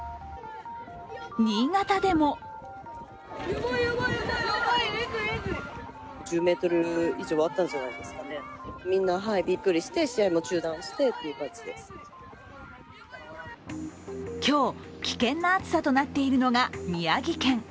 新潟でも今日、危険な暑さとなっているのが宮城県。